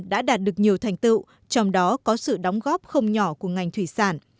đã đạt được nhiều thành tựu trong đó có sự đóng góp không nhỏ của ngành thủy sản